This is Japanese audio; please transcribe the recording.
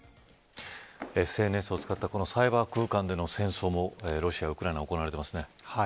ＳＮＳを使ったサイバー空間での戦争もロシアとウクライナで行われてますね。